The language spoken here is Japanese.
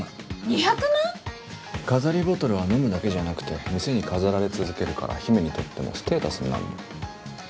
２０飾りボトルは飲むだけじゃなくて店に飾られ続けるから姫にとってもステータスになるの。